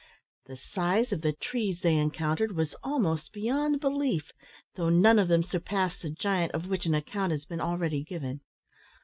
The size of the trees they encountered was almost beyond belief, though none of them surpassed the giant of which an account has been already given.